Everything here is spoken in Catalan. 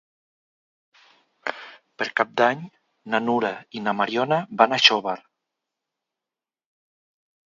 Per Cap d'Any na Nura i na Mariona van a Xóvar.